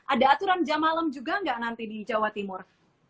ada aturan jam malam juga nggak nanti di jawa timur